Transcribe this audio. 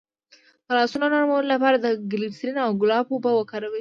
د لاسونو نرمولو لپاره د ګلسرین او ګلاب اوبه وکاروئ